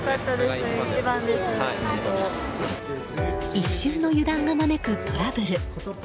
一瞬の油断が招くトラブル。